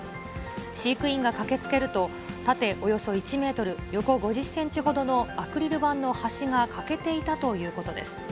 飼育員が駆けつけると、縦およそ１メートル、横５０センチほどのアクリル板の端が欠けていたということです。